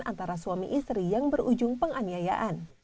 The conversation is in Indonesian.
antara suami istri yang berujung penganiayaan